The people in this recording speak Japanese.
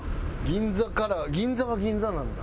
銀座カラー銀座は銀座なんだ。